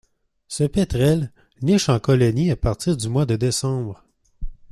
Ce pétrel niche en colonie à partir du mois de décembre.